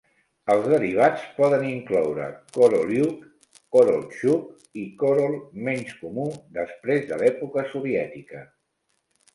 Els derivats poden incloure Korolyuk, Korolchuk i Korol (menys comú) després de l'època soviètica.